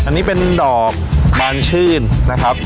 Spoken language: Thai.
อันนี้เป็นดอกบานชื่นนะครับ